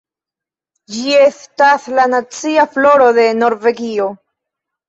Ĝi estas la nacia floro de Norvegio.